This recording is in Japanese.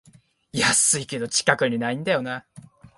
安いけど近くにないんだよなあ